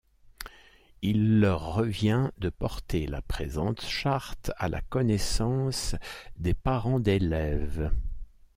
Il leur revient de porter la présente charte à la connaissance des parents d’élèves.